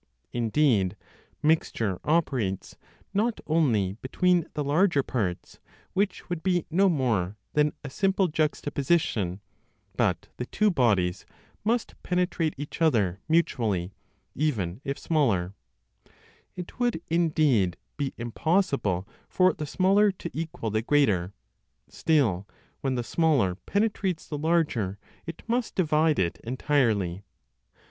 Indeed, mixture operates not only between the larger parts (which would be no more than a simple juxtaposition); but the two bodies must penetrate each other mutually, even if smaller it would indeed be impossible for the smaller to equal the greater; still, when the smaller penetrates the larger it must divide it entirely.